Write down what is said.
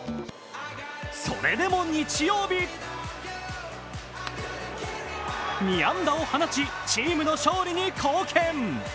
それでも日曜日２安打を放ち、チームの勝利に貢献。